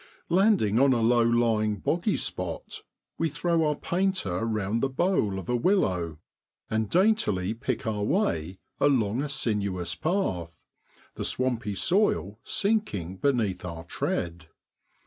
Landing on a low lying boggy spot, we throw our painter round the bole of a willow, and daintily pick our way along a sinuous path, the swampy soil sinking beneath our tread.